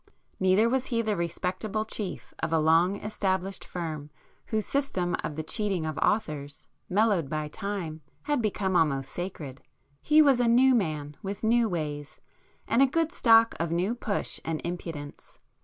Neither was he the respectable chief of a long established firm whose system of the cheating of authors, mellowed by time, had become almost sacred;—he was a 'new' man, with new ways, and a good stock of new push and impudence.